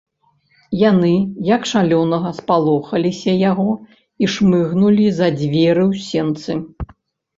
Яны, як шалёнага, спалохаліся яго і шмыгнулі за дзверы ў сенцы.